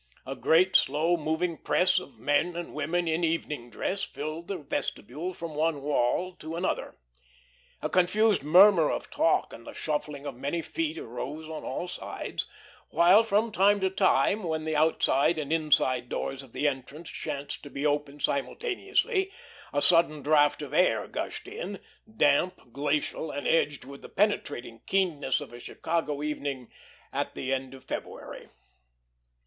A great, slow moving press of men and women in evening dress filled the vestibule from one wall to another. A confused murmur of talk and the shuffling of many feet arose on all sides, while from time to time, when the outside and inside doors of the entrance chanced to be open simultaneously, a sudden draught of air gushed in, damp, glacial, and edged with the penetrating keenness of a Chicago evening at the end of February.